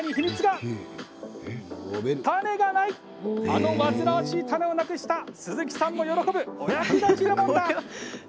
あの煩わしい種をなくした鈴木さんも喜ぶお役立ちレモンだ。